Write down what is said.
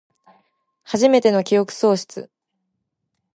はじめての記憶喪失